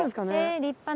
立派な。